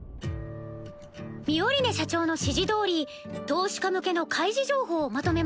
ミオリネ社長の指示どおり投資家向けの開示情報をまとめました。